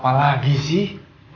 apa lagi sih